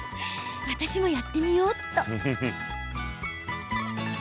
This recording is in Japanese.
私もやってみようっと。